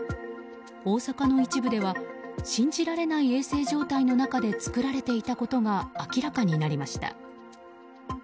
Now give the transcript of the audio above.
大阪の一部では信じられない衛生状態の中で作られていたことが明らかになりました。